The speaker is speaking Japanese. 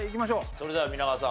それでは皆川さん